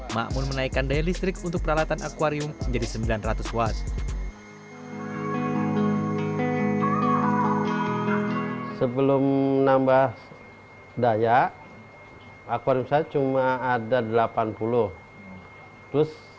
makmun menaikkan daya listrik untuk peralatan akwarium menjadi sembilan ratus watt